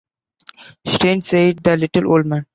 ‘Strange!’ said the little old man.